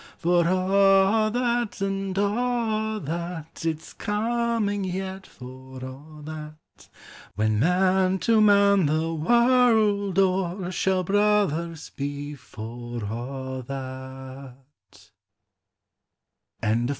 For a' that, and a' that, It 's coming yet, for a' that, — When man to man, the warld o'er, Shall brothers be for a' that